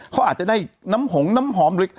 เขาอาจจะได้น้ำหงน้ำหอมหรือ